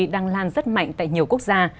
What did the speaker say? đang lan rất mạnh tại nhiều quốc gia